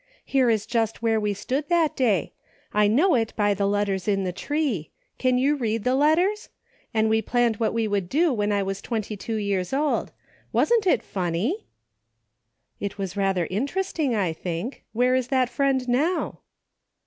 Here is just where we stood that day ; I know it by the letters in the tree. Can you read the letters ? And we planned what we would do when I was twenty two years old. Wasn't it funny ?"" It was rather interesting, I think. Where is that friend now